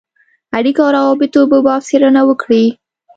اړېکو او روابطو په باب څېړنه وکړي.